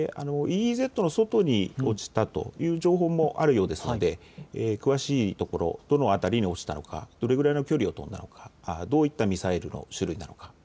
ＥＥＺの外に落ちたという情報もあるようですので詳しいところ、どの辺りに落ちたのか、どれくらいの距離飛んだのか、どういったミサイルの種類なのか